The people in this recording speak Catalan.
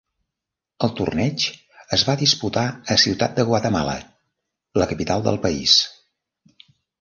El torneig es va disputar a Ciutat de Guatemala, la capital del país.